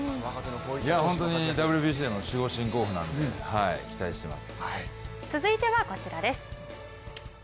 本当にＷＢＣでの守護神候補なんで期待しています。